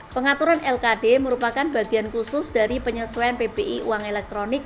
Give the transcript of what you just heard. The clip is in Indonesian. pengaturan lkd merupakan bagian khusus dari penyesuaian pbi uang elektronik